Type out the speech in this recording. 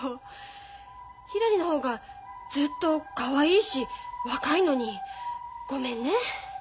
ひらりの方がずっとかわいいし若いのにごめんね。